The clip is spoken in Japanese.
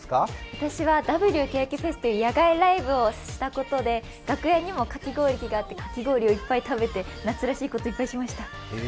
私は野外ライブをしたことで楽屋にもかき氷器があっていっぱい食べて夏らしいこといっぱいしました。